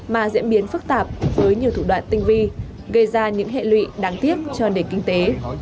mà diễn biến phức tạp với nhiều thủ đoạn tinh vi gây ra những hệ lụy đáng tiếc cho nền kinh tế